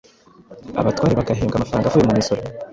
abatware bagahembwa amafaranga avuye mu misoro.